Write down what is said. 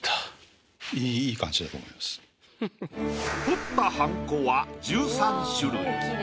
彫ったはんこは１３種類。